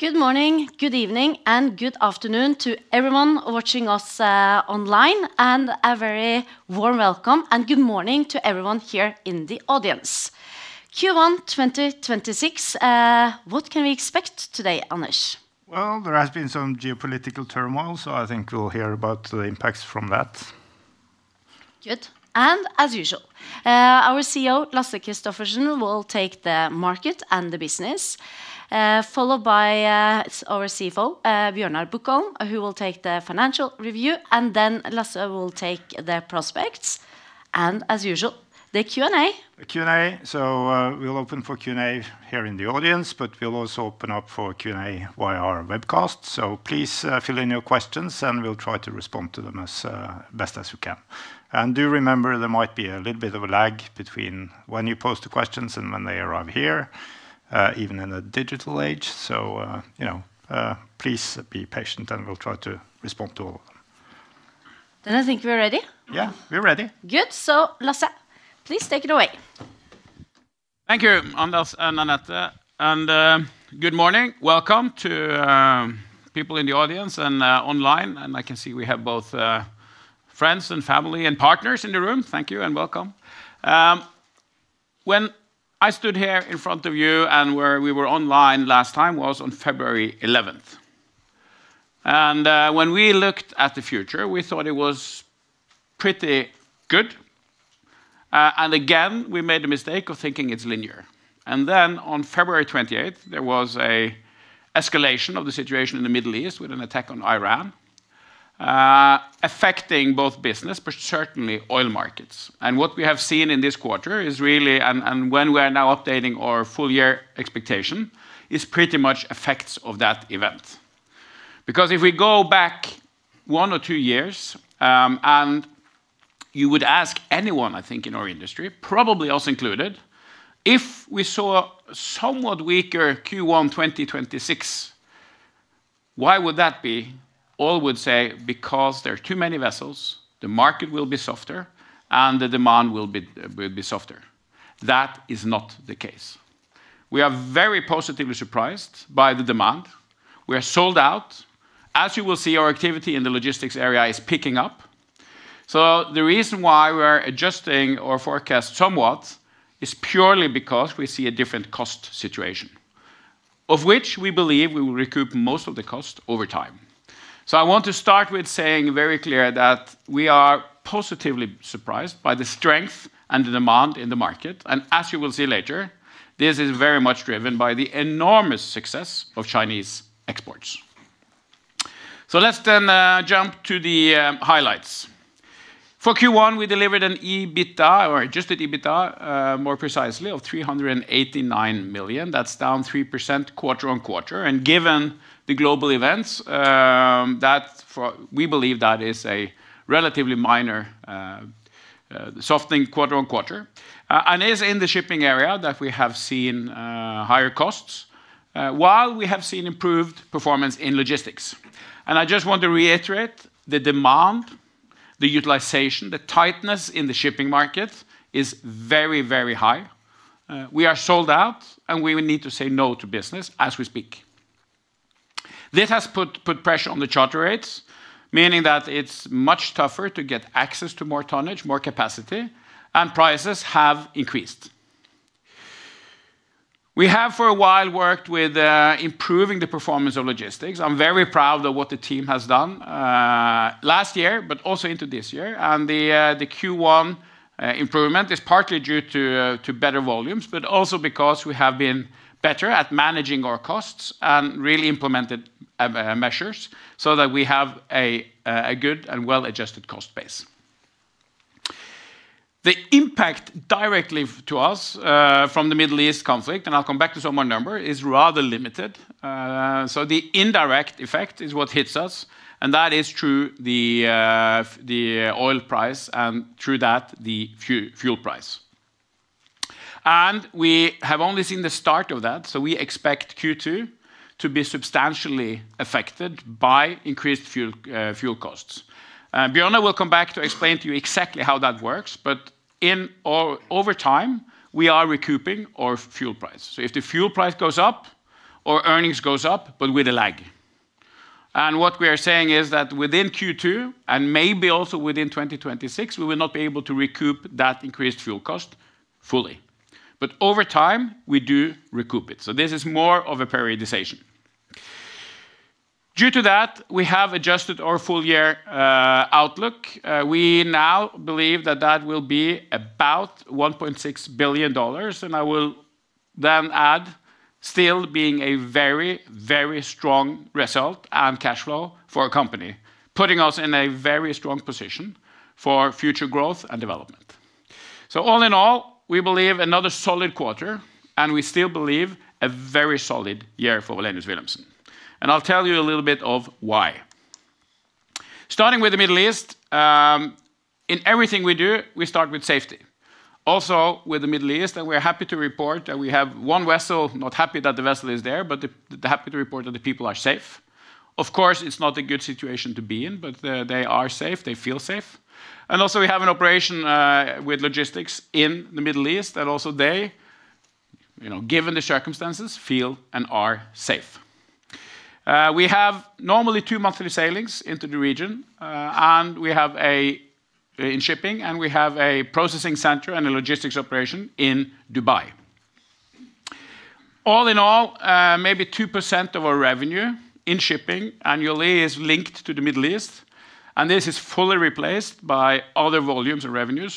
Good morning, good evening, and good afternoon to everyone watching us online. A very warm welcome and good morning to everyone here in the audience. Q1 2026, what can we expect today, Anders? Well, there has been some geopolitical turmoil, so I think we'll hear about the impacts from that. Good. As usual, our CEO, Lasse Kristoffersen, will take the market and the business, followed by our CFO, Bjørnar Bukholm, who will take the financial review. Then Lasse will take the prospects, and as usual, the Q&A. The Q&A. We'll open for Q&A here in the audience, but we'll also open up for Q&A via our webcast. Please, fill in your questions, and we'll try to respond to them as best as we can. Do remember there might be a little bit of a lag between when you post the questions and when they arrive here, even in a digital age. You know, please be patient, and we'll try to respond to all of them. I think we're ready. Yeah, we're ready. Good. Lasse, please take it away. Thank you, Anders and Anette, and good morning. Welcome to people in the audience and online, I can see we have both friends and family and partners in the room. Thank you and welcome. When I stood here in front of you and where we were online last time was on February 11th, when we looked at the future, we thought it was pretty good. Again, we made the mistake of thinking it's linear. On February 28th, there was a escalation of the situation in the Middle East with an attack on Iran, affecting both business, but certainly oil markets. What we have seen in this quarter is really, and when we are now updating our full year expectation, is pretty much effects of that event. If we go back one or two years, and you would ask anyone, I think, in our industry, probably us included, if we saw somewhat weaker Q1 2026, why would that be? All would say because there are too many vessels, the market will be softer and the demand will be softer. That is not the case. We are very positively surprised by the demand. We are sold out. As you will see, our activity in the logistics area is picking up. The reason why we are adjusting our forecast somewhat is purely because we see a different cost situation, of which we believe we will recoup most of the cost over time. I want to start with saying very clear that we are positively surprised by the strength and the demand in the market. As you will see later, this is very much driven by the enormous success of Chinese exports. Let's jump to the highlights. For Q1, we delivered an EBITDA, or adjusted EBITDA, more precisely, of $389 million. That's down 3% quarter-on-quarter. Given the global events, we believe that is a relatively minor softening quarter-on-quarter. It is in the Shipping services that we have seen higher costs, while we have seen improved performance in Logistics Services. I just want to reiterate the demand, the utilization, the tightness in the shipping market is very high. We are sold out, and we will need to say no to business as we speak. This has put pressure on the charter rates, meaning that it's much tougher to get access to more tonnage, more capacity, and prices have increased. We have for a while worked with improving the performance of logistics. I'm very proud of what the team has done last year, but also into this year. The Q1 improvement is partly due to better volumes, but also because we have been better at managing our costs and really implemented measures so that we have a good and well-adjusted cost base. The impact directly to us from the Middle East conflict, and I'll come back to some more number, is rather limited. The indirect effect is what hits us, and that is through the oil price and through that, the fuel price. We have only seen the start of that, so we expect Q2 to be substantially affected by increased fuel costs. Bjørnar will come back to explain to you exactly how that works, but in or over time, we are recouping our fuel price. If the fuel price goes up, our earnings goes up, but with a lag. What we are saying is that within Q2, and maybe also within 2026, we will not be able to recoup that increased fuel cost fully. Over time, we do recoup it. This is more of a periodization. Due to that, we have adjusted our full year outlook. We now believe that that will be about $1.6 billion, and I will then add still being a very strong result and cash flow for a company, putting us in a very strong position for future growth and development. All in all, we believe another solid quarter, and we still believe a very solid year for Wallenius Wilhelmsen. I'll tell you a little bit of why. Starting with the Middle East, in everything we do, we start with safety. Also, with the Middle East, we are happy to report that we have 1 vessel, not happy that the vessel is there, but happy to report that the people are safe. Of course, it's not a good situation to be in, but they are safe, they feel safe. We have an operation with Logistics in the Middle East, and also they, you know, given the circumstances, feel and are safe. We have normally two monthly sailings into the region, and we have a processing center and a Logistics operation in Dubai. All in all, maybe 2% of our revenue in Shipping annually is linked to the Middle East, and this is fully replaced by other volumes of revenues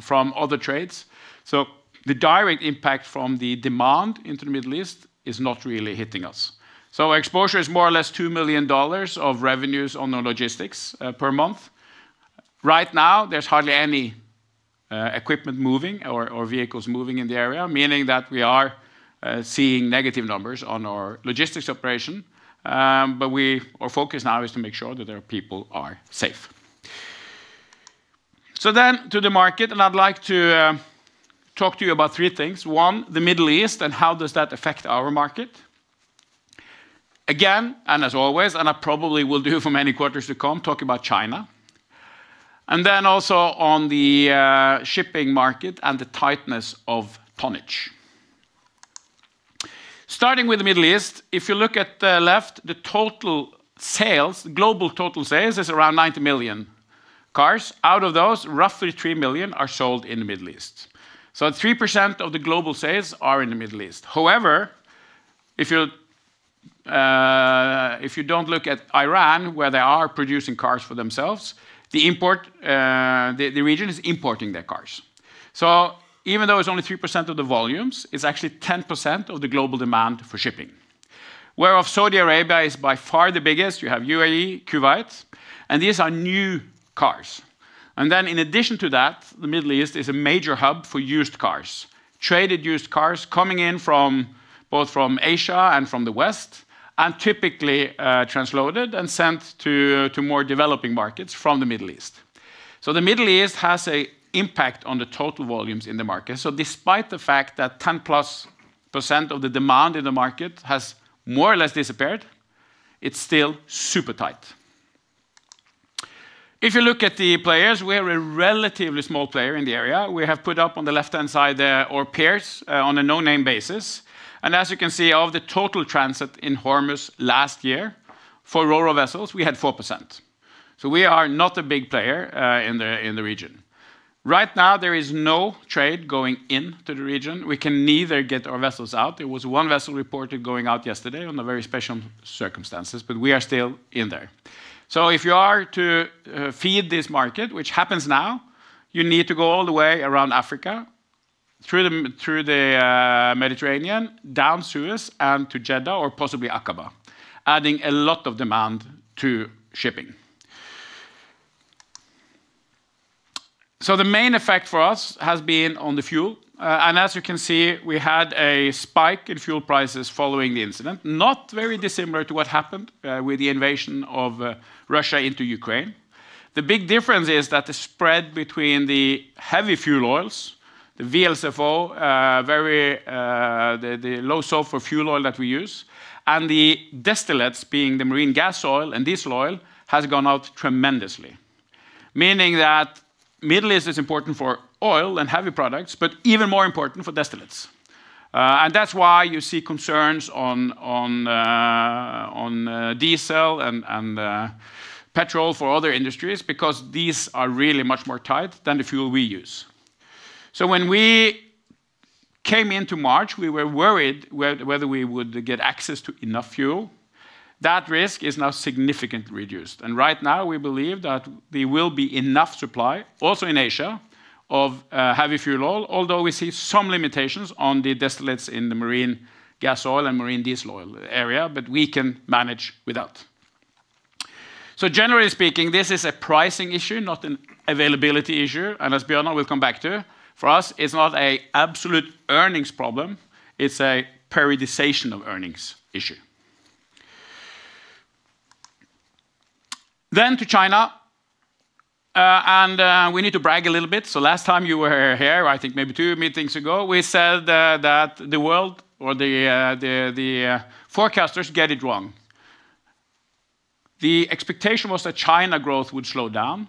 from other trades. The direct impact from the demand into the Middle East is not really hitting us. Exposure is more or less $2 million of revenues on our Logistics per month. Right now, there's hardly any equipment moving or vehicles moving in the area, meaning that we are seeing negative numbers on our Logistics operation. Our focus now is to make sure that their people are safe. To the market, and I'd like to talk to you about three things. One, the Middle East and how does that affect our market. As always, and I probably will do for many quarters to come, talk about China. Also on the shipping market and the tightness of tonnage. Starting with the Middle East, if you look at the left, the total sales, global total sales is around 90 million cars. Out of those, roughly 3 million are sold in the Middle East. 3% of the global sales are in the Middle East. However, if you don't look at Iran, where they are producing cars for themselves, the import, the region is importing their cars. Even though it's only 3% of the volumes, it's actually 10% of the global demand for shipping. Whereof Saudi Arabia is by far the biggest. You have UAE, Kuwait, and these are new cars. In addition to that, the Middle East is a major hub for used cars. Traded used cars coming in from, both from Asia and from the West, and typically, transloaded and sent to more developing markets from the Middle East. The Middle East has an impact on the total volumes in the market. Despite the fact that 10%+ of the demand in the market has more or less disappeared, it's still super tight. If you look at the players, we are a relatively small player in the area. We have put up on the left-hand side, our peers, on a no-name basis. As you can see, of the total transit in Hormuz last year, for ro-ro vessels, we had 4%. We are not a big player in the region. Right now, there is no trade going into the region. We can neither get our vessels out. There was one vessel reported going out yesterday under very special circumstances, but we are still in there. If you are to feed this market, which happens now, you need to go all the way around Africa, through the Mediterranean, down Suez and to Jeddah or possibly Aqaba, adding a lot of demand to shipping. The main effect for us has been on the fuel, and as you can see, we had a spike in fuel prices following the incident, not very dissimilar to what happened with the invasion of Russia into Ukraine. The big difference is that the spread between the heavy fuel oils, the VLSFO, very, the low sulfur fuel oil that we use, and the distillates, being the marine gas oil and diesel oil, has gone out tremendously. Meaning that Middle East is important for oil and heavy products, but even more important for distillates. And that's why you see concerns on diesel and petrol for other industries because these are really much more tight than the fuel we use. When we came into March, we were worried whether we would get access to enough fuel. That risk is now significantly reduced. Right now, we believe that there will be enough supply, also in Asia, of heavy fuel oil, although we see some limitations on the distillates in the marine gas oil and marine diesel oil area, but we can manage without. Generally speaking, this is a pricing issue, not an availability issue. As Bjørnar will come back to, for us, it's not an absolute earnings problem, it's a periodization of earnings issue. To China, we need to brag a little bit. Last time you were here, I think maybe two meetings ago, we said that the world or the forecasters get it wrong. The expectation was that China growth would slow down.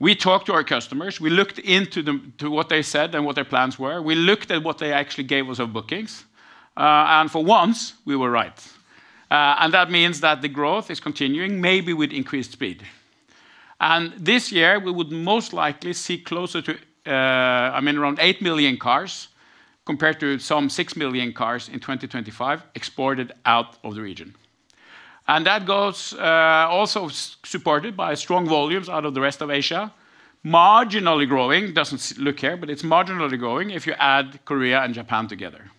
We talked to our customers. We looked into what they said and what their plans were. We looked at what they actually gave us of bookings. For once, we were right. That means that the growth is continuing, maybe with increased speed. This year, we would most likely see closer to, I mean, around 8 million cars compared to some 6 million cars in 2025 exported out of the region. That goes, also supported by strong volumes out of the rest of Asia, marginally growing, doesn't look here, but it's marginally growing if you add Korea and Japan together.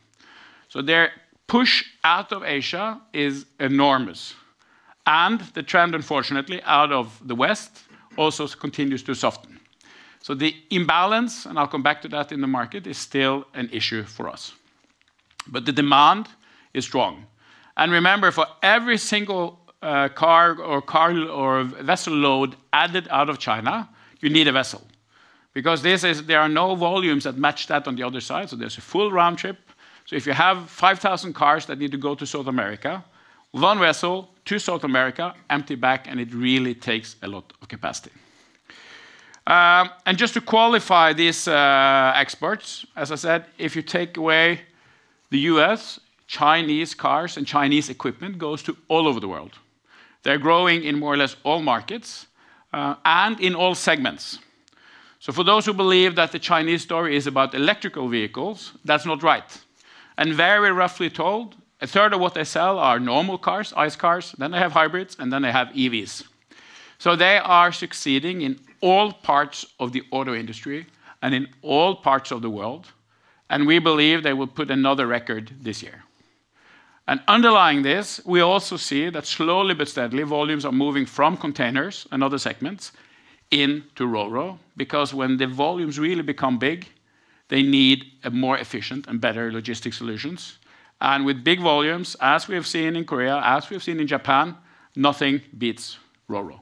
Their push out of Asia is enormous. The trend, unfortunately, out of the West also continues to soften. The imbalance, and I'll come back to that in the market, is still an issue for us. The demand is strong. Remember, for every single car or vessel load added out of China, you need a vessel. There are no volumes that match that on the other side, so there's a full round trip. If you have 5,000 cars that need to go to South America, one vessel to South America, empty back, it really takes a lot of capacity. Just to qualify these exports, as I said, if you take away the U.S., Chinese cars and Chinese equipment goes to all over the world. They're growing in more or less all markets and in all segments. For those who believe that the Chinese story is about electrical vehicles, that's not right. Very roughly told, a third of what they sell are normal cars, ICE cars, then they have hybrids, and then they have EVs. They are succeeding in all parts of the auto industry and in all parts of the world, and we believe they will put another record this year. Underlying this, we also see that slowly but steadily, volumes are moving from containers and other segments into ro-ro, because when the volumes really become big, they need a more efficient and better logistics solutions. With big volumes, as we have seen in Korea, as we've seen in Japan, nothing beats ro-ro.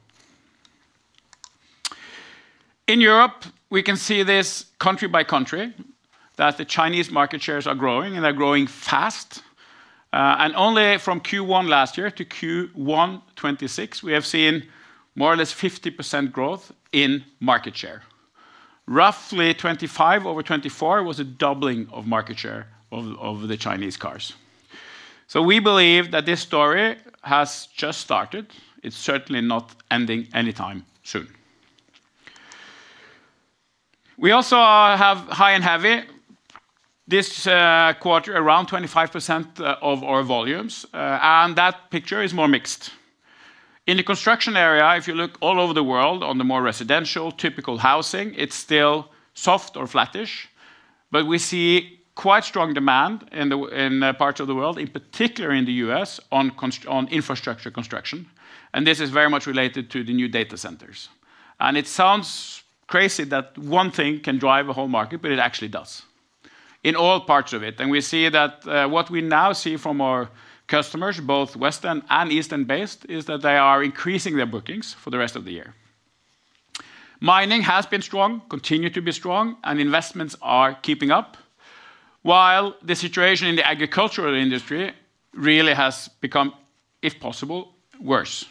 In Europe, we can see this country by country, that the Chinese market shares are growing, and they're growing fast. Only from Q1 last year to Q1 2026, we have seen more or less 50% growth in market share. Roughly 2025 over 2024 was a doubling of market share of the Chinese cars. We believe that this story has just started. It's certainly not ending anytime soon. We also have high and heavy this quarter, around 25% of our volumes, and that picture is more mixed. In the construction area, if you look all over the world on the more residential typical housing, it's still soft or flattish, but we see quite strong demand in parts of the world, in particular in the U.S., on infrastructure construction, and this is very much related to the new data centers. It sounds crazy that one thing can drive a whole market, but it actually does. In all parts of it. We see that what we now see from our customers, both Western and Eastern-based, is that they are increasing their bookings for the rest of the year. Mining has been strong, continue to be strong, and investments are keeping up. The situation in the agricultural industry really has become, if possible, worse.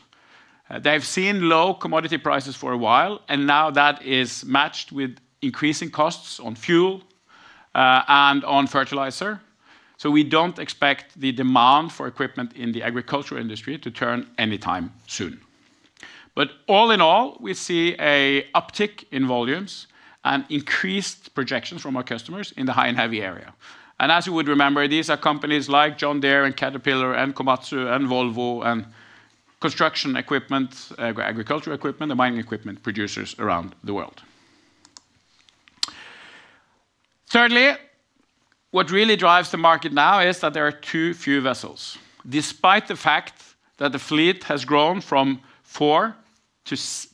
They've seen low commodity prices for a while, now that is matched with increasing costs on fuel and on fertilizer. We don't expect the demand for equipment in the agricultural industry to turn anytime soon. All in all, we see an uptick in volumes and increased projections from our customers in the high and heavy area. As you would remember, these are companies like John Deere and Caterpillar and Komatsu and Volvo and construction equipment, agricultural equipment, and mining equipment producers around the world. Thirdly, what really drives the market now is that there are too few vessels. Despite the fact that the fleet has grown from 4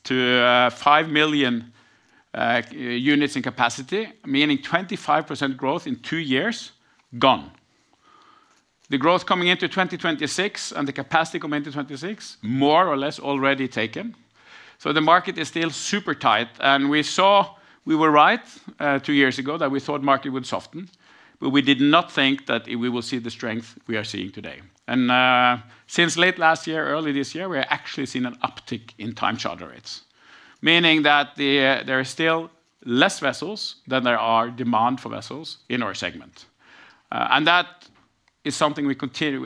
to 5 million units in capacity, meaning 25% growth in two years. The growth coming into 2026 and the capacity coming into 2026, more or less already taken. The market is still super tight. We saw we were right, two years ago, that we thought market would soften, but we did not think that we will see the strength we are seeing today. Since late last year, early this year, we are actually seeing an uptick in time charter rates, meaning that there are still less vessels than there are demand for vessels in our segment. That is something we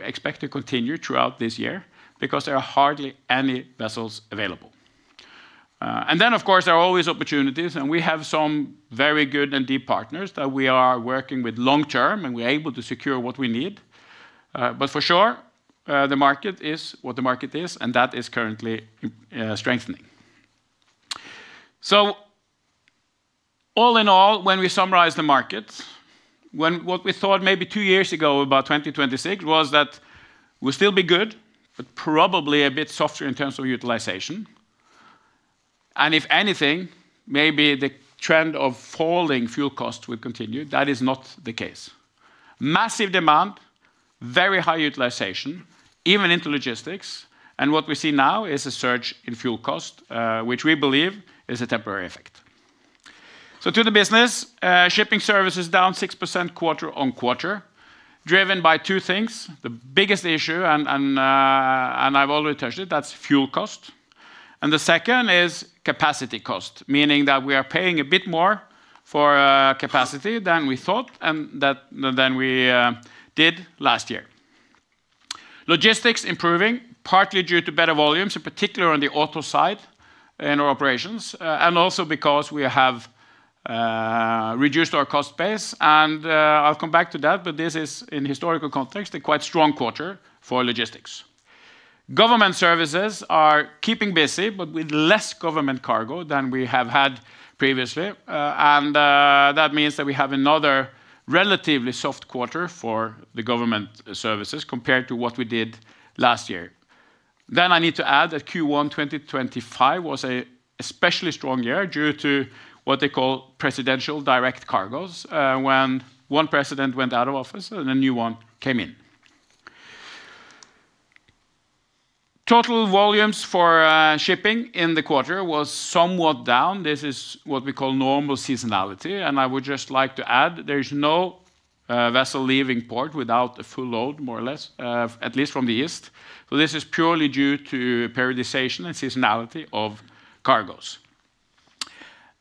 expect to continue throughout this year because there are hardly any vessels available. Then of course, there are always opportunities, and we have some very good and deep partners that we are working with long-term, and we're able to secure what we need. For sure, the market is what the market is, and that is currently strengthening. All in all, when we summarize the market, when what we thought maybe two years ago about 2026 was that we'll still be good, but probably a bit softer in terms of utilization. If anything, maybe the trend of falling fuel costs will continue. That is not the case. Massive demand, very high utilization, even into logistics. What we see now is a surge in fuel cost, which we believe is a temporary effect. To the business, Shipping services down 6% quarter-on-quarter, driven by two things. The biggest issue, and I've already touched it, that's fuel cost. The second is capacity cost, meaning that we are paying a bit more for capacity than we thought than we did last year. Logistics improving partly due to better volumes, in particular on the auto side in our operations, and also because we have reduced our cost base, and I'll come back to that, but this is, in historical context, a quite strong quarter for Logistics. Government Services are keeping busy, but with less government cargo than we have had previously. That means that we have another relatively soft quarter for the Government Services compared to what we did last year. I need to add that Q1 2025 was a especially strong year due to what they call presidential direct cargoes, when one president went out of office and a new one came in. Total volumes for shipping in the quarter was somewhat down. This is what we call normal seasonality. I would just like to add there is no vessel leaving port without a full load, more or less, at least from the east. This is purely due to periodization and seasonality of cargoes.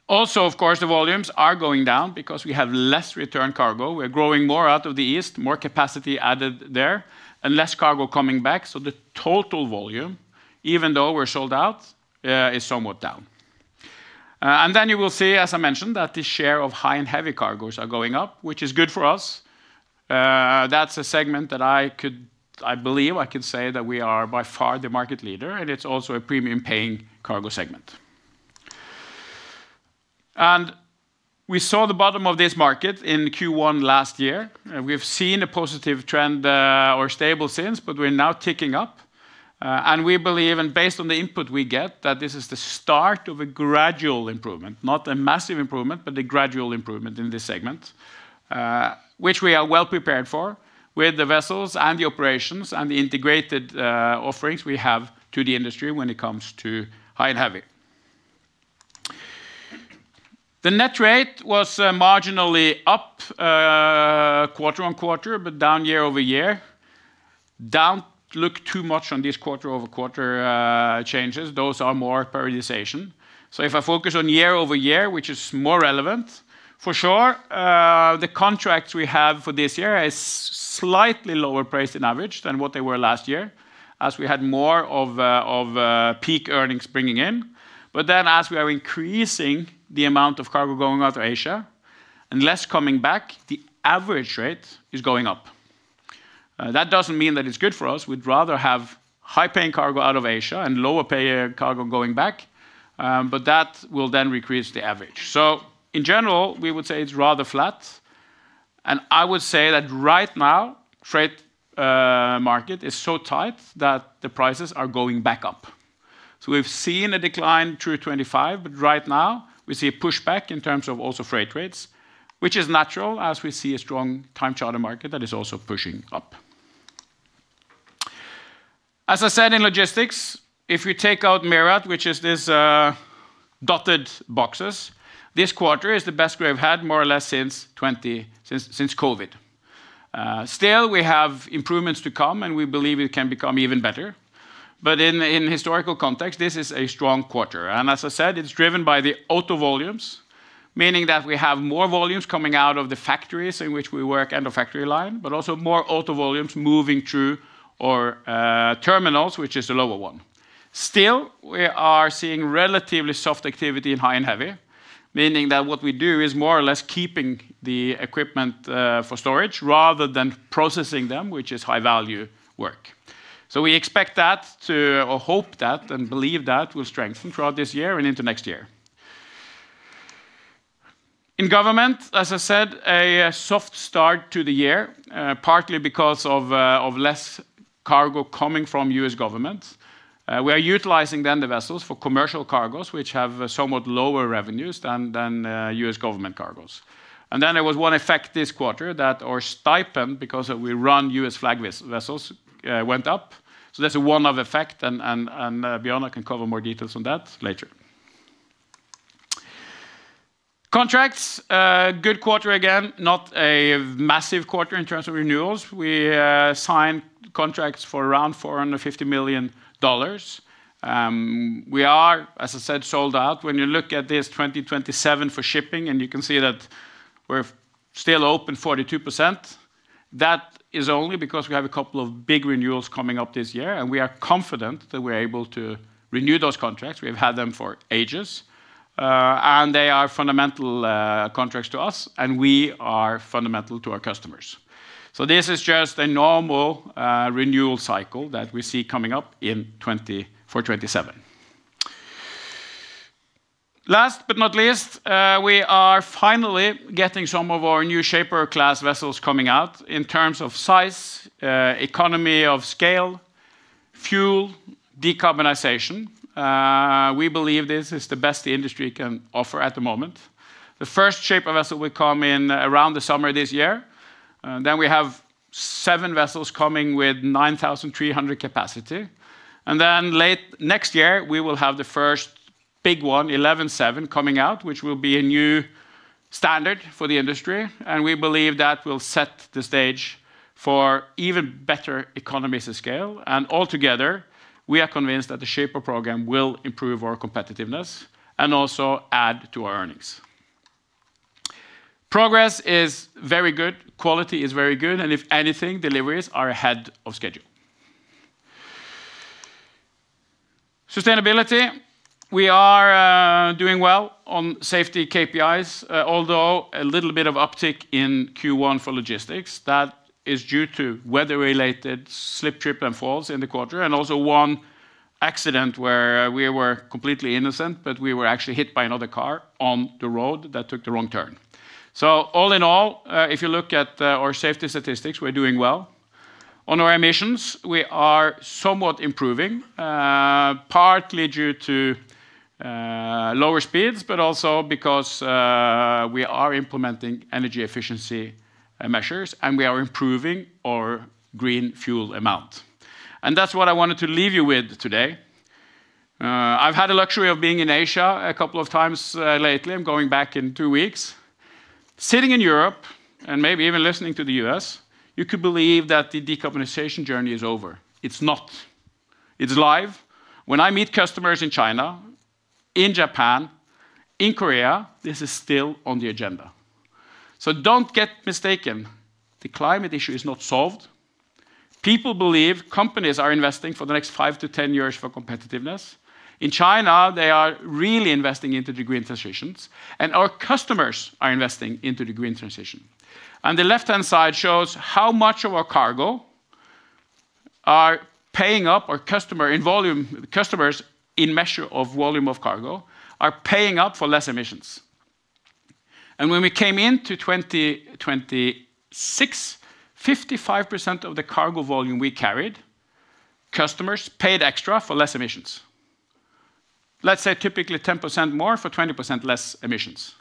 Of course, the volumes are going down because we have less return cargo. We are growing more out of the East, more capacity added there, and less cargo coming back. The total volume, even though we're sold out, is somewhat down. You will see, as I mentioned, that the share of high and heavy cargoes are going up, which is good for us. That's a segment that I believe I could say that we are by far the market leader. It's also a premium-paying cargo segment. We have seen a positive trend, or stable since. We're now ticking up. We believe, and based on the input we get, that this is the start of a gradual improvement, not a massive improvement, but a gradual improvement in this segment, which we are well prepared for with the vessels and the operations and the integrated offerings we have to the industry when it comes to high and heavy. The net rate was marginally up quarter-on-quarter, down year-over-year. Do not look too much on these quarter-over-quarter changes. Those are more periodization. If I focus on year-over-year, which is more relevant, for sure, the contracts we have for this year is slightly lower priced than averaged than what they were last year, as we had more of peak earnings bringing in. As we are increasing the amount of cargo going out of Asia and less coming back, the average rate is going up. That doesn't mean that it's good for us. We'd rather have high-paying cargo out of Asia and lower-paying cargo going back, but that will then increase the average. In general, we would say it's rather flat, and I would say that right now, freight market is so tight that the prices are going back up. We've seen a decline through 25, but right now we see a pushback in terms of also freight rates, which is natural as we see a strong time charter market that is also pushing up. As I said in logistics, if you take out Mercosur, which is this dotted boxes, this quarter is the best we've had more or less since COVID. Still we have improvements to come, and we believe it can become even better. In historical context, this is a strong quarter. As I said, it's driven by the auto volumes, meaning that we have more volumes coming out of the factories in which we work end of factory line, but also more auto volumes moving through our terminals, which is the lower one. We are seeing relatively soft activity in high and heavy, meaning that what we do is more or less keeping the equipment for storage rather than processing them, which is high-value work. We expect that to, or hope that and believe that will strengthen throughout this year and into next year. In Government, as I said, a soft start to the year, partly because of less cargo coming from U.S. government. We are utilizing then the vessels for commercial cargoes, which have somewhat lower revenues than U.S. government cargoes. There was one effect this quarter that our stipend, because we run U.S.-flagged vessels, went up. That's a one-off effect and Bjørnar can cover more details on that later. Contracts, good quarter, again, not a massive quarter in terms of renewals. We signed contracts for around $450 million. We are, as I said, sold out. When you look at this 2027 for shipping and you can see that we're still open 42%. That is only because we have a couple of big renewals coming up this year, and we are confident that we are able to renew those contracts. We have had them for ages, and they are fundamental contracts to us, and we are fundamental to our customers. This is just a normal renewal cycle that we see coming up for 2027. Last but not least, we are finally getting some of our new Shaper Class vessels coming out in terms of size, economy of scale, fuel, decarbonization. We believe this is the best the industry can offer at the moment. The first Shaper vessel will come in around the summer this year. We have seven vessels coming with 9,300 capacity. Late next year, we will have the first big one, 11,700, coming out, which will be a new standard for the industry. We believe that will set the stage for even better economies of scale. Altogether, we are convinced that the Shaper program will improve our competitiveness and also add to our earnings. Progress is very good, quality is very good, and if anything, deliveries are ahead of schedule. Sustainability, we are doing well on safety KPIs, although a little bit of uptick in Q1 for Logistics Services. That is due to weather-related slip, trip, and falls in the quarter, and also one accident where we were completely innocent, but we were actually hit by another car on the road that took the wrong turn. All in all, if you look at our safety statistics, we're doing well. On our emissions, we are somewhat improving, partly due to lower speeds, but also because we are implementing energy efficiency measures, and we are improving our green fuel amount. That's what I wanted to leave you with today. I've had the luxury of being in Asia a couple of times lately. I'm going back in two weeks. Sitting in Europe, and maybe even listening to the U.S., you could believe that the decarbonization journey is over. It's not. It's live. When I meet customers in China, in Japan, in Korea, this is still on the agenda. Don't get mistaken. The climate issue is not solved. People believe companies are investing for the next five to 10 years for competitiveness. In China, they are really investing into the green transitions, and our customers are investing into the green transition. The left-hand side shows how much of our cargo are paying up our customer in volume, customers in measure of volume of cargo, are paying up for less emissions. When we came into 2026, 55% of the cargo volume we carried, customers paid extra for less emissions. Let's say typically 10% more for 20% less emissions.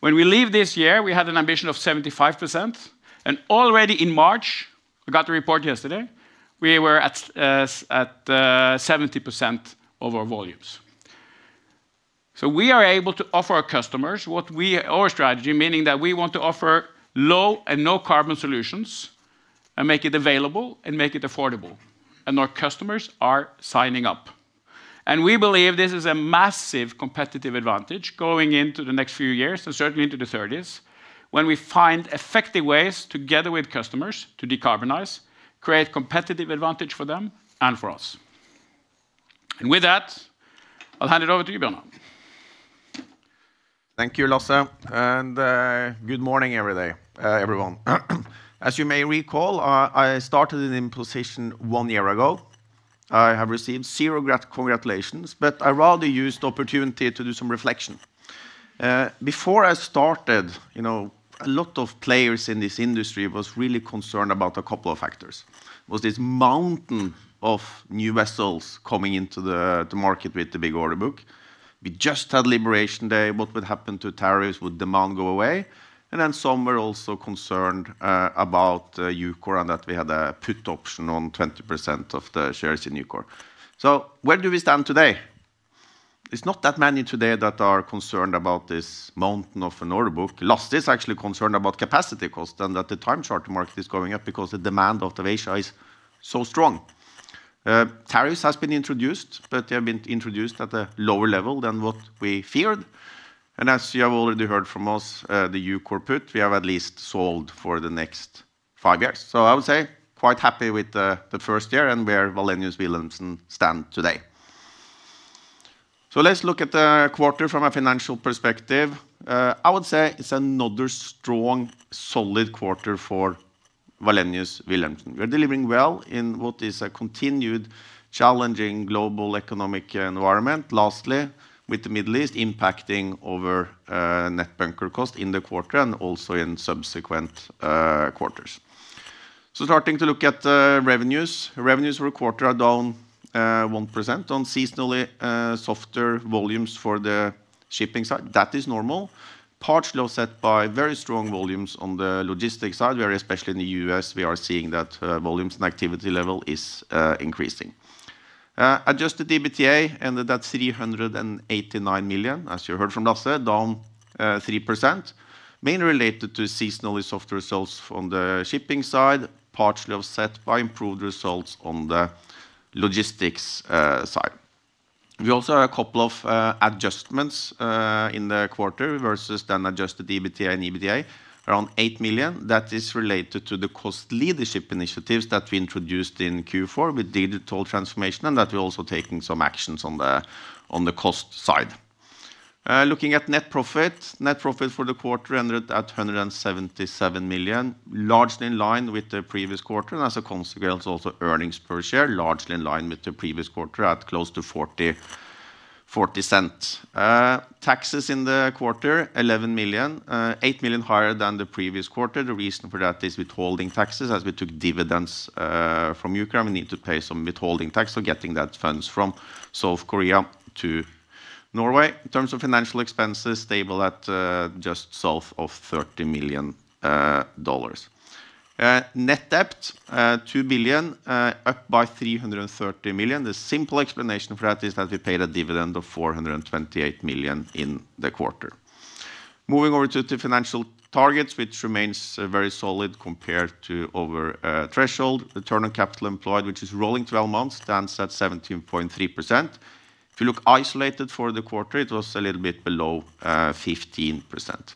When we leave this year, we have an ambition of 75%, and already in March, we got the report yesterday, we were at 70% of our volumes. So we are able to offer our customers what we our strategy, meaning that we want to offer low and no carbon solutions and make it available and make it affordable, and our customers are signing up. We believe this is a massive competitive advantage going into the next few years and certainly into the thirties, when we find effective ways together with customers to decarbonize, create competitive advantage for them and for us. With that, I'll hand it over to you, Bjørnar. Thank you, Lasse, and good morning, every day, everyone. As you may recall, I started in the position 1 year ago. I have received zero congratulations, but I rather used the opportunity to do some reflection. Before I started, you know, a lot of players in this industry was really concerned about a couple of factors. Was this mountain of new vessels coming into the market with the big order book. We just had Liberation Day. What would happen to tariffs? Would demand go away? Then some were also concerned about [EUKOR] and that we had a put option on 20% of the shares in [EUKOR]. Where do we stand today? It's not that many today that are concerned about this mountain of an order book. Lasse is actually concerned about capacity cost and that the time charter market is going up because the demand out of Asia is so strong. Tariffs has been introduced, but they have been introduced at a lower level than what we feared. As you have already heard from us, the [Hyundai Kia] put, we have at least sold for the next five years. I would say quite happy with the first year and where Wallenius Wilhelmsen stand today. Let's look at the quarter from a financial perspective. I would say it's another strong, solid quarter for Wallenius Wilhelmsen. We are delivering well in what is a continued challenging global economic environment, lastly, with the Middle East impacting over net bunker cost in the quarter and also in subsequent quarters. Starting to look at the revenues. Revenues for the quarter are down 1% on seasonally softer volumes for the shipping side. That is normal. Partially offset by very strong volumes on the logistics side, where especially in the U.S., we are seeing that volumes and activity level is increasing. Adjusted EBITDA ended at $389 million, as you heard from Lasse, down 3%, mainly related to seasonally soft results from the shipping side, partially offset by improved results on the logistics side. We also have a couple of adjustments in the quarter versus then adjusted EBITDA and EBITDA, around $8 million. That is related to the cost leadership initiatives that we introduced in Q4 with digital transformation and that we're also taking some actions on the cost side. Looking at net profit. Net profit for the quarter ended at $177 million, largely in line with the previous quarter, and as a consequence, also earnings per share, largely in line with the previous quarter at close to $0.40. Taxes in the quarter, $11 million, $8 million higher than the previous quarter. The reason for that is withholding taxes. As we took dividends from Ukraine, we need to pay some withholding tax for getting that funds from South Korea to Norway. In terms of financial expenses, stable at just south of $30 million. Net debt, $2 billion, up by $330 million. The simple explanation for that is that we paid a dividend of $428 million in the quarter. Moving over to the financial targets, which remains very solid compared to over threshold. Return on capital employed, which is rolling 12 months, stands at 17.3%. If you look isolated for the quarter, it was a little bit below 15%.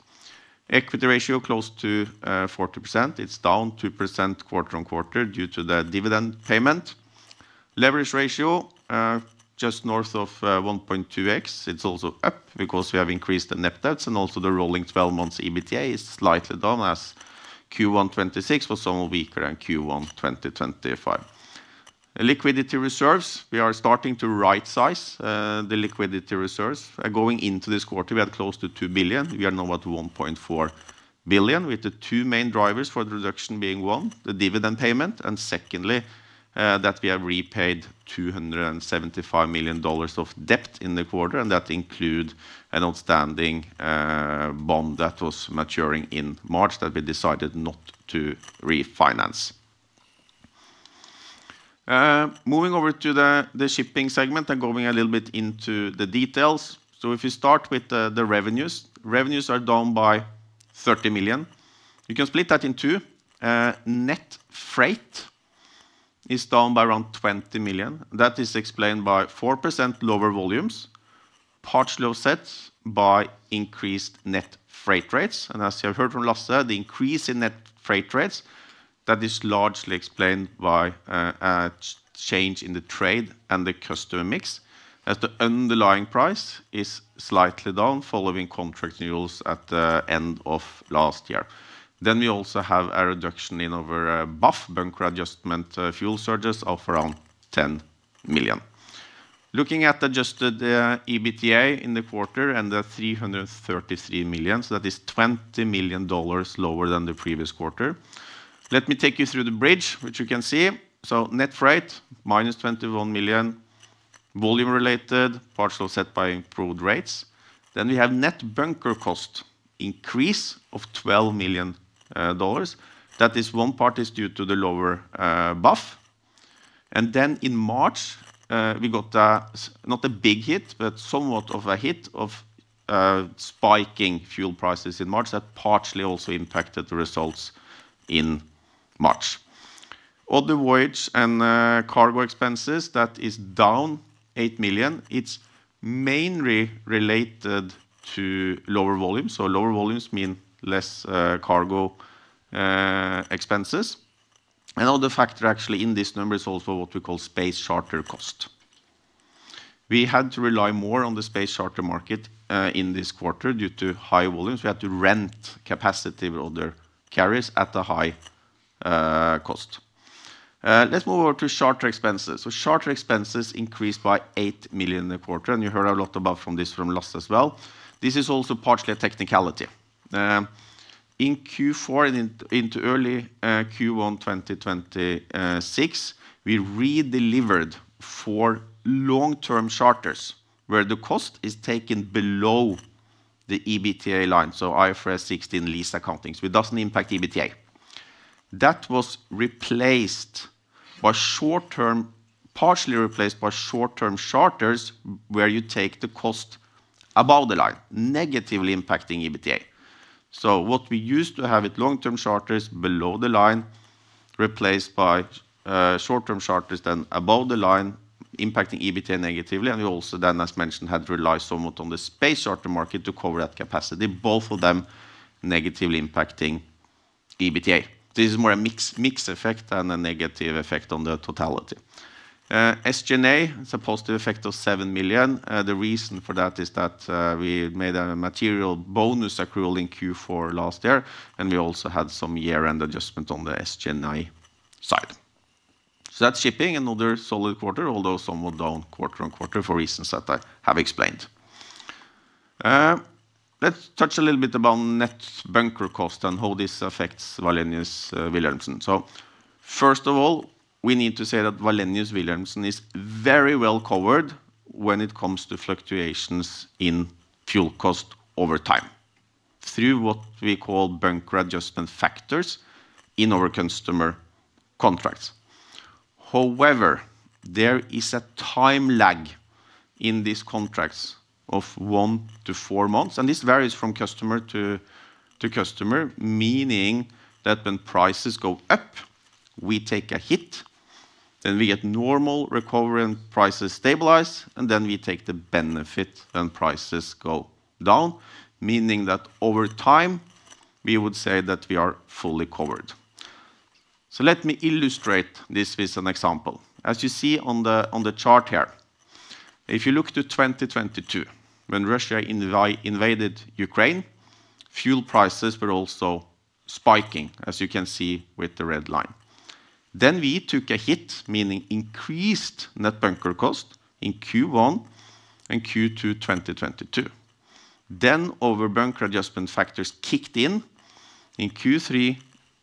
Equity ratio close to 40%. It's down 2% quarter-on-quarter due to the dividend payment. Leverage ratio just north of 1.2x. It's also up because we have increased the net debts and also the rolling 12 months EBITDA is slightly down as Q1 2026 was somewhat weaker than Q1 2025. Liquidity reserves, we are starting to rightsize the liquidity reserves. Going into this quarter, we had close to $2 billion. We are now at $1.4 billion, with the two main drivers for the reduction being, one, the dividend payment, and secondly, that we have repaid $275 million of debt in the quarter, and that include an outstanding bond that was maturing in March that we decided not to refinance. Moving over to the shipping segment and going a little bit into the details. If you start with the revenues. Revenues are down by $30 million. You can split that in two. Net freight is down by around $20 million. That is explained by 4% lower volumes, partially offset by increased net freight rates. As you have heard from Lasse, the increase in net freight rates, that is largely explained by a change in the trade and the customer mix, as the underlying price is slightly down following contract renewals at the end of last year. We also have a reduction in our BAF, Bunker Adjustment Fuel surcharges of around $10 million. Looking at adjusted EBITDA in the quarter and the $333 million, that is $20 million lower than the previous quarter. Let me take you through the bridge, which you can see. Net freight, minus $21 million, volume related, partially offset by improved rates. We have net bunker cost increase of $12 million. That is one part is due to the lower BAF. In March, we got not a big hit, but somewhat of a hit of spiking fuel prices in March. That partially also impacted the results in March. Other voyage and cargo expenses, that is down $8 million. It's mainly related to lower volumes. Lower volumes mean less cargo expenses. Another factor actually in this number is also what we call space charter cost. We had to rely more on the space charter market in this quarter due to high volumes. We had to rent capacity with other carriers at a high cost. Let's move over to charter expenses. Charter expenses increased by $8 million a quarter, and you heard a lot about this from Lasse as well. This is also partially a technicality. In Q4 and in, into early Q1 2026, we redelivered 4 long-term charters where the cost is taken below the EBITDA line, so IFRS 16 lease accounting, so it doesn't impact EBITDA. That was partially replaced by short-term charters where you take the cost above the line, negatively impacting EBITDA. What we used to have with long-term charters below the line replaced by short-term charters then above the line impacting EBITDA negatively. We also then, as mentioned, had to rely somewhat on the space charter market to cover that capacity, both of them negatively impacting EBITDA. This is more a mix effect than a negative effect on the totality. SG&A, it's a positive effect of $7 million. The reason for that is that we made a material bonus accrual in Q4 last year, and we also had some year-end adjustment on the SG&A side. That's Shipping services, another solid quarter, although somewhat down quarter-on-quarter for reasons that I have explained. Let's touch a little bit about net bunker cost and how this affects Wallenius Wilhelmsen. First of all, we need to say that Wallenius Wilhelmsen is very well covered when it comes to fluctuations in fuel cost over time through what we call bunker adjustment factors in our customer contracts. There is a time lag in these contracts of one to four months, and this varies from customer to customer, meaning that when prices go up, we take a hit, then we get normal recovery and prices stabilize, and then we take the benefit when prices go down, meaning that over time, we would say that we are fully covered. Let me illustrate this with an example. As you see on the chart here, if you look to 2022, when Russia invaded Ukraine, fuel prices were also spiking, as you can see with the red line. We took a hit, meaning increased net bunker cost in Q1 and Q2 2022. Our bunker adjustment factors kicked in in Q3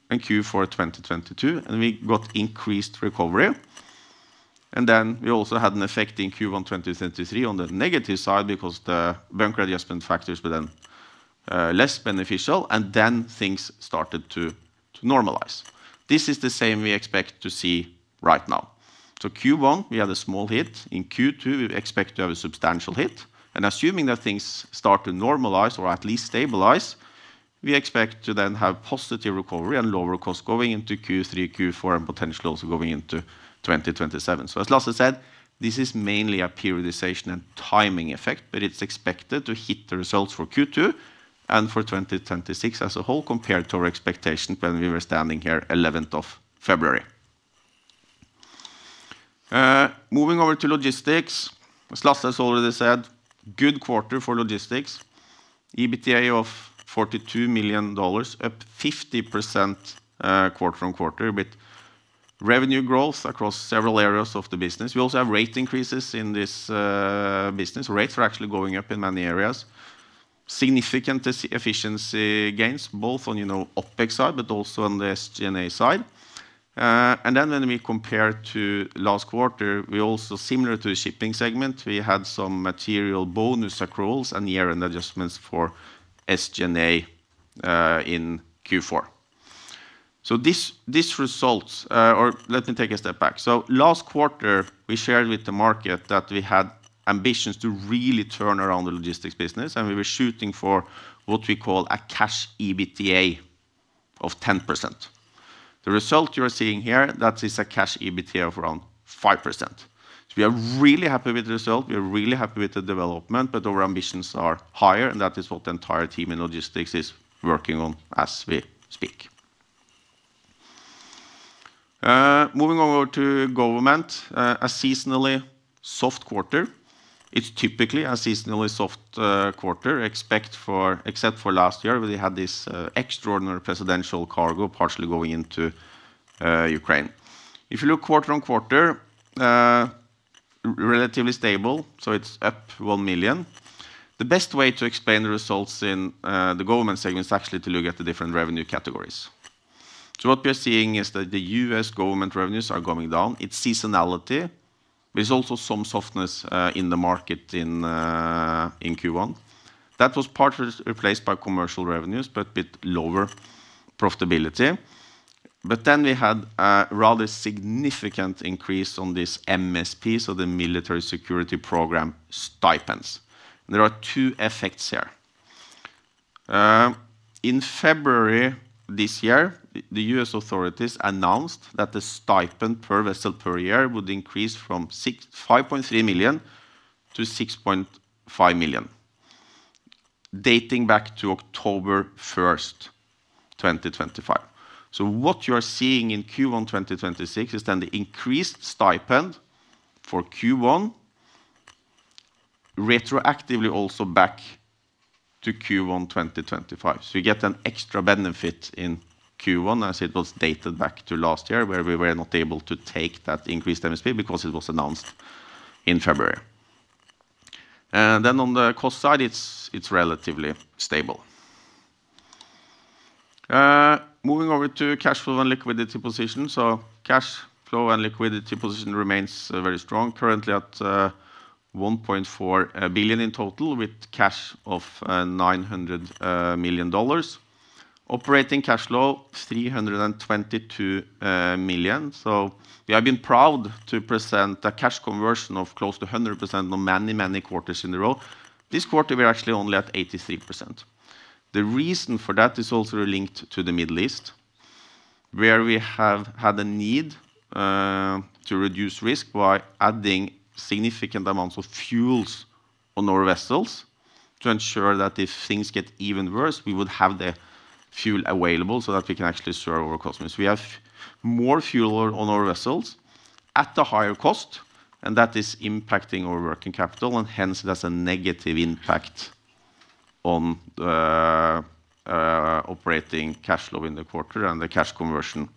and Q4 2022, and we got increased recovery. We also had an effect in Q1 2023 on the negative side because the bunker adjustment factors were then less beneficial, and then things started to normalize. This is the same we expect to see right now. Q1, we had a small hit. In Q2, we expect to have a substantial hit. Assuming that things start to normalize, or at least stabilize, we expect to then have positive recovery and lower costs going into Q3, Q4, and potentially also going into 2027. As Lasse said, this is mainly a periodization and timing effect, but it's expected to hit the results for Q2 and for 2026 as a whole compared to our expectations when we were standing here 11th of February. Moving over to logistics. As Lasse has already said, good quarter for logistics. EBITDA of $42 million, up 50% quarter-on-quarter with revenue growth across several areas of the business. We also have rate increases in this business. Rates are actually going up in many areas. Significant efficiency gains, both on, you know, OpEx side, but also on the SG&A side. When we compare to last quarter, we also similar to the Shipping segment, we had some material bonus accruals and year-end adjustments for SG&A in Q4. This results. Let me take a step back. Last quarter, we shared with the market that we had ambitions to really turn around the Logistics business, and we were shooting for what we call a cash EBITDA of 10%. The result you are seeing here, that is a cash EBITDA of around 5%. We are really happy with the result, we are really happy with the development, but our ambitions are higher, and that is what the entire team in logistics is working on as we speak. Moving over to government, a seasonally soft quarter. It's typically a seasonally soft quarter, except for last year where they had this extraordinary presidential cargo partially going into Ukraine. If you look quarter-on-quarter, relatively stable, it's up $1 million. The best way to explain the results in the Government segment is actually to look at the different revenue categories. What we're seeing is that the U.S. government revenues are going down. It's seasonality. There's also some softness in the market in Q1. That was partly replaced by commercial revenues, but with lower profitability. We had a rather significant increase on this MSP, so the Maritime Security Program stipends. There are two effects here. In February this year, the U.S. authorities announced that the stipend per vessel per year would increase from $5.3 million to $6.5 million, dating back to October 1st, 2025. What you are seeing in Q1 2026 is then the increased stipend for Q1 retroactively also back to Q1 2025. You get an extra benefit in Q1 as it was dated back to last year where we were not able to take that increased MSP because it was announced in February. On the cost side, it's relatively stable. Moving over to cash flow and liquidity position. Cash flow and liquidity position remains very strong, currently at $1.4 billion in total with cash of $900 million. Operating cash flow, $322 million. We have been proud to present a cash conversion of close to 100% on many, many quarters in a row. This quarter, we're actually only at 83%. The reason for that is also linked to the Middle East, where we have had a need to reduce risk by adding significant amounts of fuels on our vessels to ensure that if things get even worse, we would have the fuel available so that we can actually serve our customers. We have more fuel on our vessels at a higher cost, and that is impacting our working capital and hence there's a negative impact on operating cash flow in the quarter and the cash conversion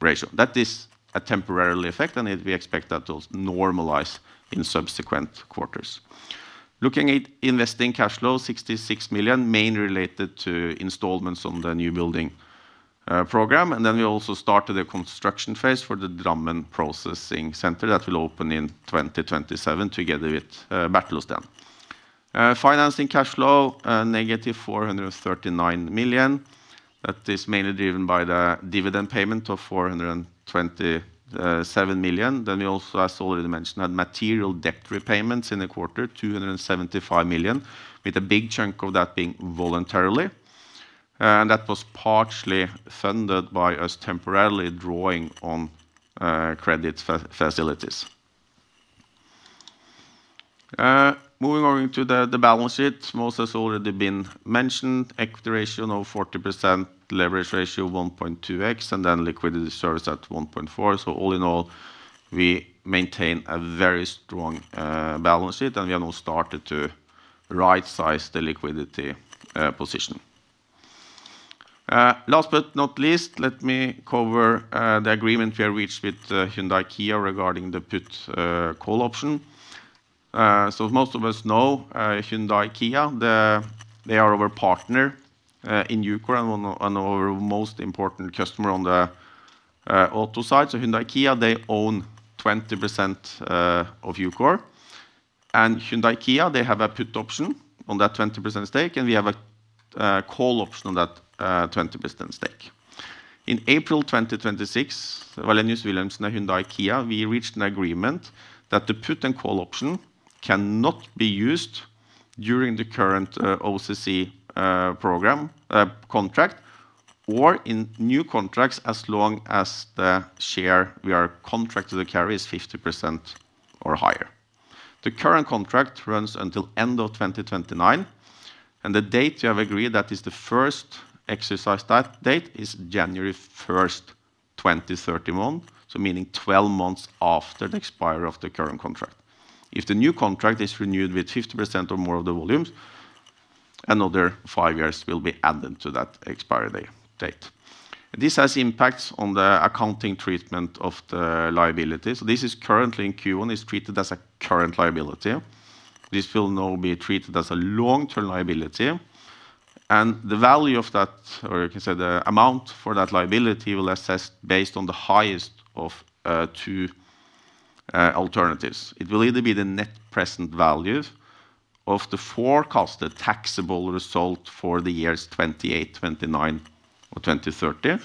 ratio. That is a temporary effect, we expect that to normalize in subsequent quarters. Looking at investing cash flow, $66 million, mainly related to installments on the new building program. We also started a construction phase for the Drammen processing center that will open in 2027 together with Bertel O. Steen. Financing cash flow, negative $439 million. That is mainly driven by the dividend payment of $427 million. We also, as already mentioned, had material debt repayments in the quarter, $275 million, with a big chunk of that being voluntarily. That was partially funded by us temporarily drawing on credit facilities. Moving on to the balance sheet. Most has already been mentioned. Equity ratio now 40%, leverage ratio 1.2x, and then liquidity reserves at 1.4. All in all, we maintain a very strong balance sheet, and we have now started to right-size the liquidity position. Last but not least, let me cover the agreement we have reached with Hyundai Kia regarding the put call option. Most of us know, Hyundai Kia, they are our partner in EUKOR and our most important customer on the auto side. Hyundai Kia, they own 20% of EUKOR. Hyundai Kia, they have a put option on that 20% stake, and we have a call option on that 20% stake. In April 2026, Wallenius Wilhelmsen and Hyundai Kia, we reached an agreement that the put and call option cannot be used during the current OCC program contract, or in new contracts as long as the share we are contracted to carry is 50% or higher. The current contract runs until end of 2029, and the date we have agreed that is the first exercise that date is January 1st, 2031, so meaning 12 months after the expiry of the current contract. If the new contract is renewed with 50% or more of the volumes, another 5 years will be added to that expiry date. This has impacts on the accounting treatment of the liability. This is currently in Q1. It's treated as a current liability. This will now be treated as a long-term liability. The value of that, or you can say the amount for that liability, we'll assess based on the highest of two alternatives. It will either be the net present value of the forecasted taxable result for the years 2028, 2029 or 2030,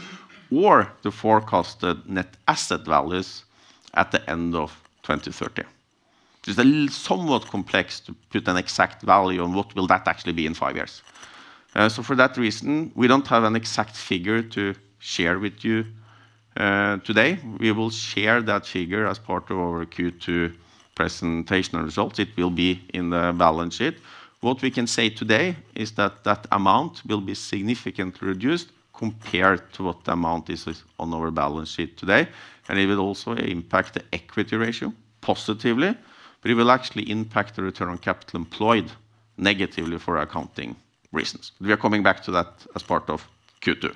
or the forecasted net asset values at the end of 2030. It is a little somewhat complex to put an exact value on what will that actually be in five years. For that reason, we don't have an exact figure to share with you today. We will share that figure as part of our Q2 presentation results. It will be in the balance sheet. What we can say today is that that amount will be significantly reduced compared to what the amount is on our balance sheet today, and it will also impact the equity ratio positively, but it will actually impact the return on capital employed negatively for accounting reasons. We are coming back to that as part of Q2.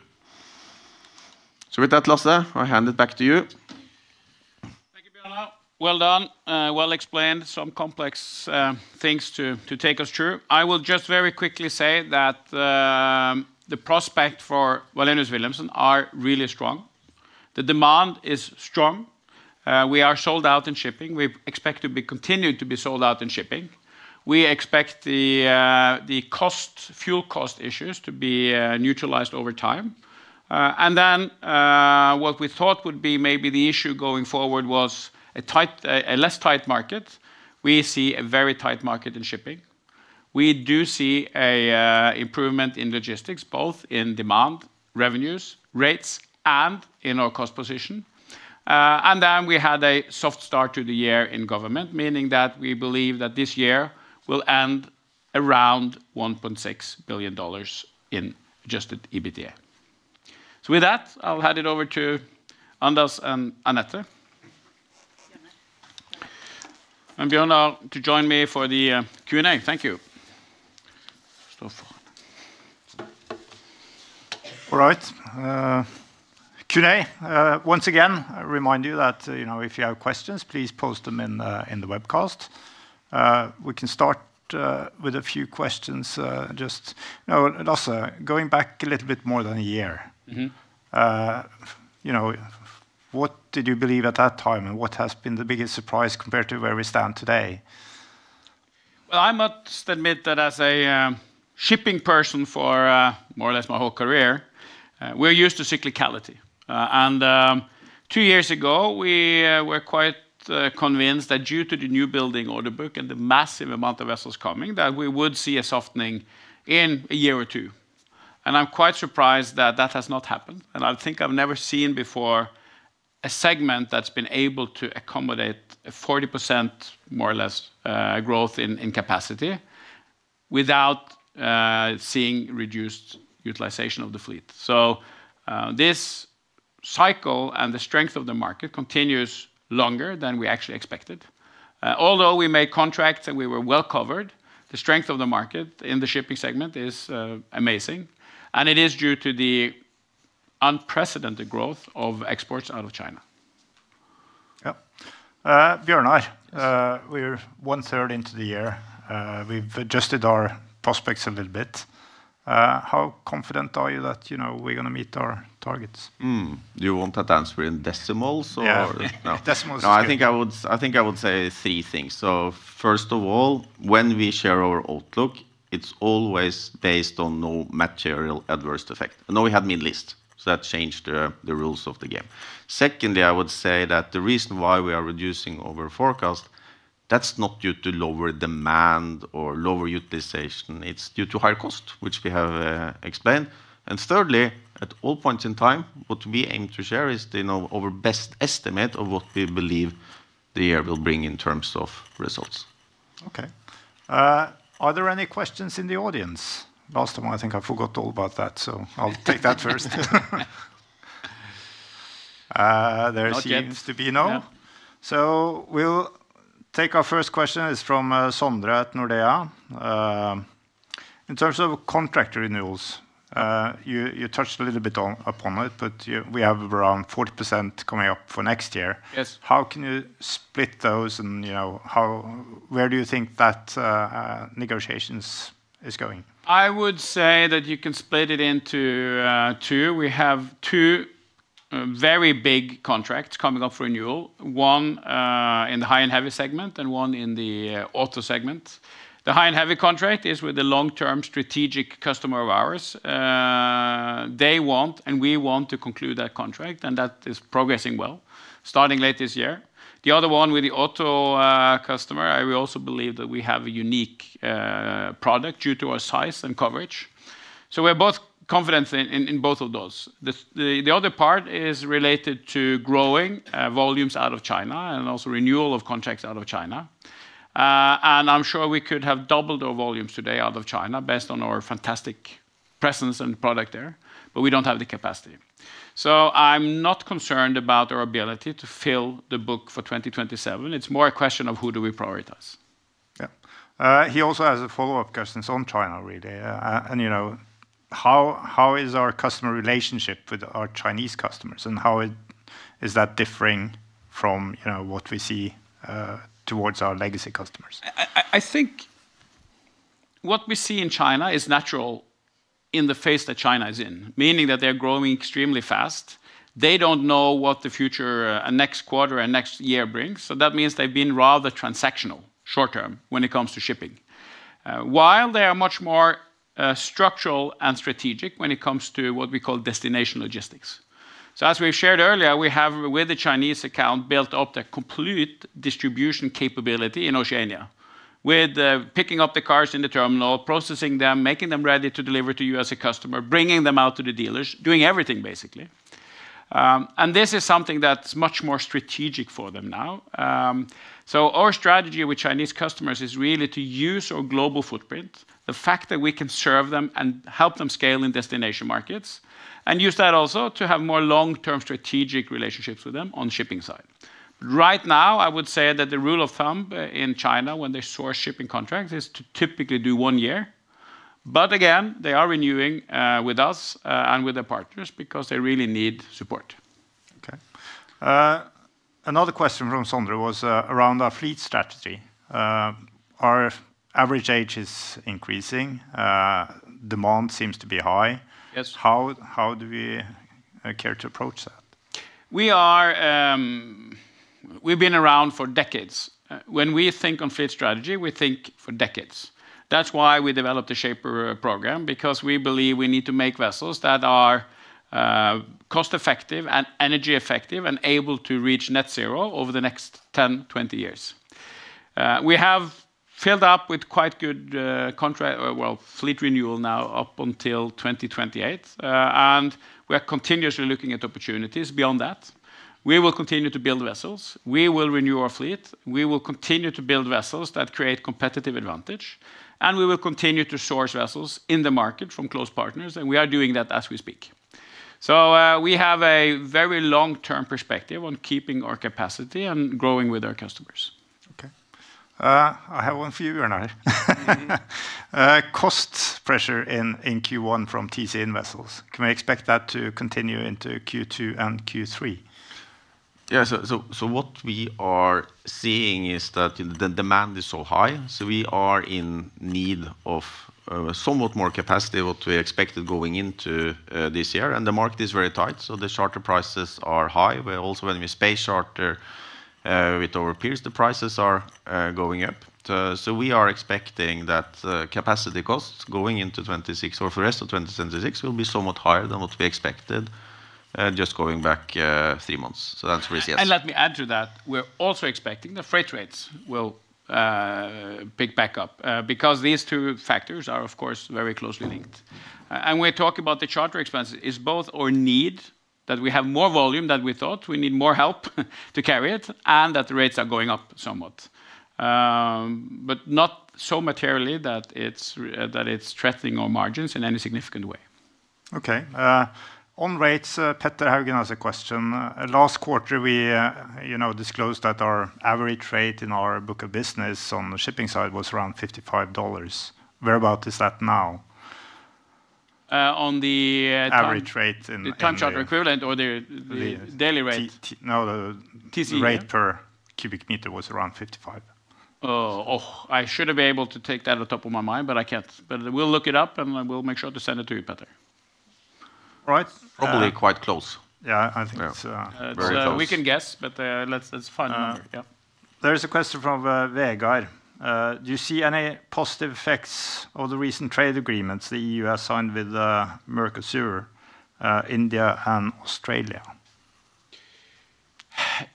With that, Lasse, I hand it back to you. Thank you, Bjørnar. Well done. Well explained. Some complex things to take us through. I will just very quickly say that the prospect for Wallenius Wilhelmsen are really strong. The demand is strong. We are sold out in shipping. We expect to be continued to be sold out in shipping. We expect the cost, fuel cost issues to be neutralized over time. What we thought would be maybe the issue going forward was a tight, a less tight market. We see a very tight market in shipping. We do see a improvement in logistics, both in demand, revenues, rates, and in our cost position. We had a soft start to the year in government, meaning that we believe that this year will end around $1.6 billion in adjusted EBITDA. With that, I will hand it over to Anders and Anette and Bjørnar to join me for the Q&A. Thank you. All right. Q&A. Once again, I remind you that, you know, if you have questions, please post them in the webcast. We can start, with a few questions, just, you know, Lasse, going back a little bit more than a year. You know, what did you believe at that time, and what has been the biggest surprise compared to where we stand today? Well, I must admit that as a shipping person for more or less my whole career, we're used to cyclicality. Two years ago, we were quite convinced that due to the new building order book and the massive amount of vessels coming, that we would see a softening in a year or two. I'm quite surprised that that has not happened, and I think I've never seen before a segment that's been able to accommodate a 40% more or less, growth in capacity without seeing reduced utilization of the fleet. This cycle and the strength of the market continues longer than we actually expected. Although we made contracts and we were well covered, the strength of the market in the Shipping segment is amazing, and it is due to the unprecedented growth of exports out of China. Yeah. Bjørnar. Yes We're one third into the year. We've adjusted our prospects a little bit. How confident are you that, you know, we're going to meet our targets? Do you want that answer in decimals or? Yeah. Decimals is good. I think I would say three things. First of all, when we share our outlook, it's always based on no material adverse effect. Now we have Middle East, that changed the rules of the game. Secondly, I would say that the reason why we are reducing our forecast, that's not due to lower demand or lower utilization. It's due to higher cost, which we have explained. Thirdly, at all points in time, what we aim to share is, you know, our best estimate of what we believe the year will bring in terms of results. Okay. Are there any questions in the audience? Last time I think I forgot all about that, so I'll take that first. Not yet. there seems to be no. Yeah. We'll take our first question is from Sondre at Nordea. In terms of contract renewals, you touched a little bit upon it, but we have around 40% coming up for next year. Yes. How can you split those and, you know, how where do you think that negotiations is going? I would say that you can split it into two. We have two very big contracts coming up for renewal, one in the high and heavy segment and one in the auto segment. The high and heavy contract is with a long-term strategic customer of ours. They want and we want to conclude that contract, and that is progressing well, starting late this year. The other one with the auto customer, I will also believe that we have a unique product due to our size and coverage. We are both confident in both of those. The other part is related to growing volumes out of China and also renewal of contracts out of China. I'm sure we could have doubled our volumes today out of China based on our fantastic presence and product there, but we don't have the capacity. I'm not concerned about our ability to fill the book for 2027. It's more a question of who do we prioritize. Yeah. He also has a follow-up question. It's on China, really. You know, how is our customer relationship with our Chinese customers, and how is that differing from, you know, what we see towards our legacy customers? I think what we see in China is natural in the phase that China is in, meaning that they are growing extremely fast. They don't know what the future and next quarter and next year brings. That means they've been rather transactional short-term when it comes to shipping. They are much more structural and strategic when it comes to what we call destination logistics. As we've shared earlier, we have, with the Chinese account, built up the complete distribution capability in Oceania with picking up the cars in the terminal, processing them, making them ready to deliver to you as a customer, bringing them out to the dealers, doing everything basically. This is something that's much more strategic for them now. Our strategy with Chinese customers is really to use our global footprint, the fact that we can serve them and help them scale in destination markets, and use that also to have more long-term strategic relationships with them on shipping side. Right now, I would say that the rule of thumb, in China when they source shipping contracts is to typically do one year. Again, they are renewing with us and with their partners because they really need support. Okay. Another question from Sondre was around our fleet strategy. Our average age is increasing, demand seems to be high. Yes. How do we care to approach that? We are, we've been around for decades. When we think on fleet strategy, we think for decades. That's why we developed a Shaper program, because we believe we need to make vessels that are cost-effective and energy-effective and able to reach net zero over the next 10, 20 years. We have filled up with quite good, contract Well, fleet renewal now up until 2028. We are continuously looking at opportunities beyond that. We will continue to build vessels. We will renew our fleet. We will continue to build vessels that create competitive advantage, and we will continue to source vessels in the market from close partners, and we are doing that as we speak. We have a very long-term perspective on keeping our capacity and growing with our customers. Okay. I have one for you, Bjørnar. Cost pressure in Q1 from TC in vessels. Can we expect that to continue into Q2 and Q3? Yeah. So what we are seeing is that the demand is so high, so we are in need of somewhat more capacity what we expected going into this year. The market is very tight, so the charter prices are high. We're also going to be space charter with our peers. The prices are going up. We are expecting that capacity costs going into 2026 or for the rest of 2026 will be somewhat higher than what we expected just going back three months. Let me add to that. We're also expecting the freight rates will pick back up because these two factors are of course very closely linked. We're talking about the charter expense is both our need, that we have more volume than we thought, we need more help to carry it, and that the rates are going up somewhat. Not so materially that it's threatening our margins in any significant way. Okay. On rates, Petter Haugen has a question. Last quarter, we, you know, disclosed that our average rate in our book of business on the shipping side was around $55. Whereabout is that now? Uh, on the- Average rate. The Time Charter Equivalent. The- the daily rate? no, the- TC rate rate per cubic meter was around $55. I should have been able to take that off the top of my mind, but I can't. We'll look it up, and we'll make sure to send it to you, Petter. All right. Probably quite close. Yeah, I think it's. Yeah Very close. We can guess, but let's find the number. Yeah. There is a question from Vegard. Do you see any positive effects of the recent trade agreements the U.S. signed with Mercosur, India and Australia?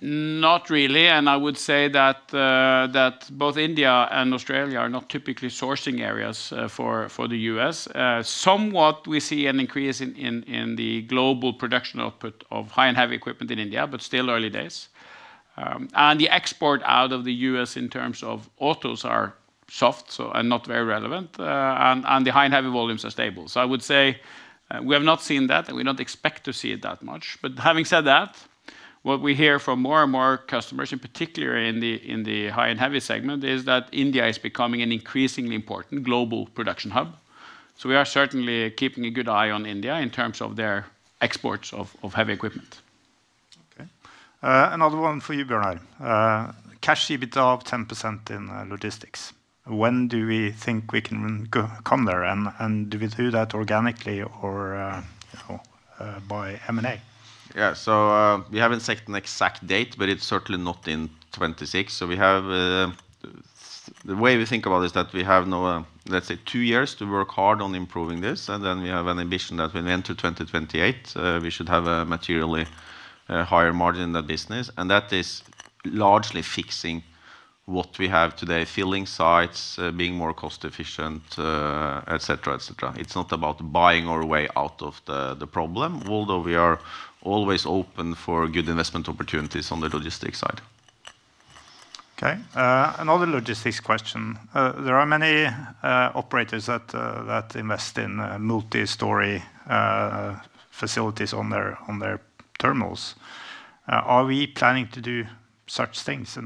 Not really. I would say that both India and Australia are not typically sourcing areas for the U.S. Somewhat we see an increase in the global production output of high and heavy equipment in India, but still early days. The export out of the U.S. in terms of autos are soft, not very relevant. The high and heavy volumes are stable. I would say we have not seen that, and we don't expect to see it that much. Having said that, what we hear from more and more customers, in particular in the high and heavy segment, is that India is becoming an increasingly important global production hub. We are certainly keeping a good eye on India in terms of their exports of heavy equipment. Okay. Another one for you, Bjørnar. Cash EBITDA of 10% in Logistics. When do we think we can come there, and do we do that organically or, you know, by M&A? Yeah. We haven't set an exact date, but it's certainly not in 2026. We have, the way we think about is that we have now, let's say, two years to work hard on improving this, and then we have an ambition that when we enter 2028, we should have a materially higher margin in the business, and that is largely fixing what we have today, filling sites, being more cost-efficient, et cetera, et cetera. It's not about buying our way out of the problem, although we are always open for good investment opportunities on the logistics side. Okay. Another logistics question. There are many operators that invest in multi-story facilities on their terminals. Are we planning to do such things?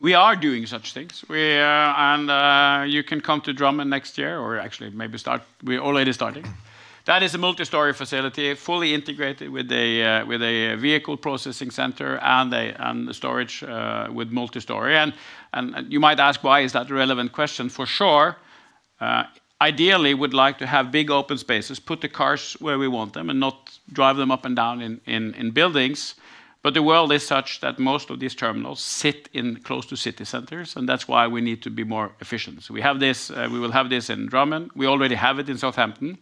We are doing such things. We, you can come to Drammen next year, or actually maybe start. We already starting. That is a multi-story facility, fully integrated with a with a vehicle processing center and a storage with multi-story. You might ask why is that relevant question. For sure, ideally would like to have big open spaces, put the cars where we want them and not drive them up and down in buildings. The world is such that most of these terminals sit in close to city centers, and that's why we need to be more efficient. We will have this in Drammen. We already have it in Southampton,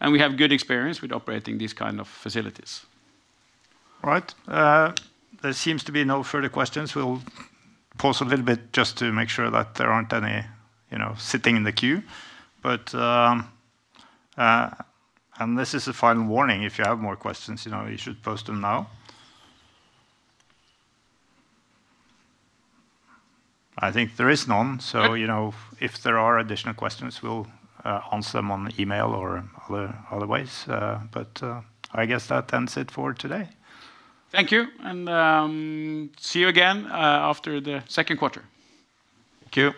and we have good experience with operating these kind of facilities. All right. There seems to be no further questions. We'll pause a little bit just to make sure that there aren't any, you know, sitting in the queue. This is a final warning, if you have more questions, you know, you should post them now. I think there is none. You know, if there are additional questions, we'll answer them on email or other ways. I guess that ends it for today. Thank you, and see you again after the second quarter. Thank you.